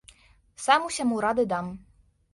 Сам усяму рады дам!